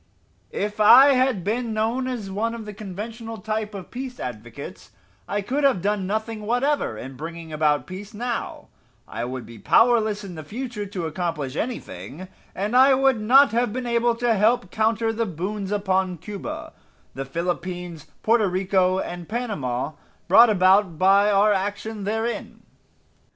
If I had been known as one of the conventional type of peace advocates I could have done nothing whatever in bringing about peace now, I would be powerless in the future to accomplish anything, and I would not have been able to help confer the boons upon Cuba, the Philippines, Porto Rico and Panama, brought about by our action therein.